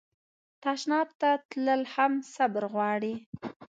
تشناب ته تلل هم صبر غواړي.